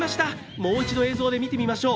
もう一度映像で見てみましょう。